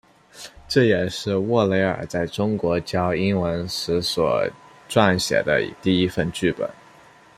这也是沃雷尔在中国教英文时所撰写的第一份剧本。